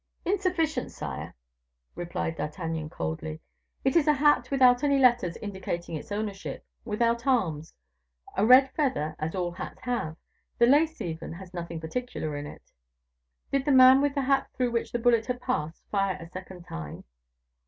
"Insufficient, sire," replied D'Artagnan, coldly; "it is a hat without any letters indicating its ownership, without arms; a red feather, as all hats have; the lace, even, had nothing particular in it." "Did the man with the hat through which the bullet had passed fire a second time?"